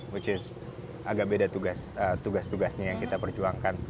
which is agak beda tugas tugasnya yang kita perjuangkan